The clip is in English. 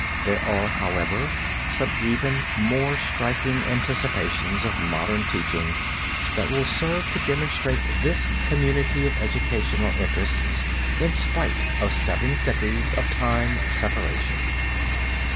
There are, however, some even more striking anticipations of modern teaching that will serve to demonstrate this community of educational interests in spite of seven centuries of time separation.